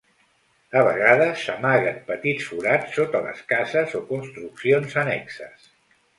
A vegades s'amaguen petits forats sota les cases o construccions annexes.